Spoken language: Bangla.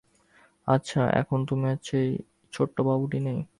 আচ্ছা, এখন তুমি আর সেই ছোট্ট বাবুটি নেই।